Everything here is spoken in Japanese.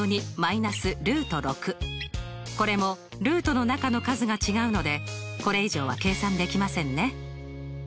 これもルートの中の数が違うのでこれ以上は計算できませんね。